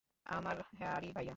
আমার হারি ভাইয়া।